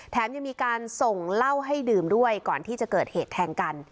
ยังมีการส่งเหล้าให้ดื่มด้วยก่อนที่จะเกิดเหตุแทงกัน